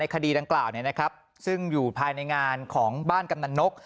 ในคดีดังกล่าวนี้นะครับซึ่งอยู่ภายในงานของบ้านกำหนังนก